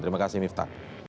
terima kasih miftah